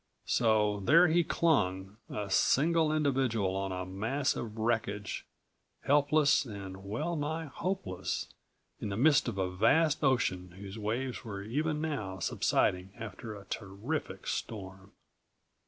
So there he clung, a single individual on a mass of wreckage, helpless and well nigh hopeless in the midst of a vast ocean whose waves were even now subsiding after a terrific storm.